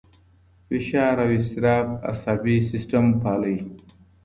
فشار او اضطراب عصبي سیستم فعالوي.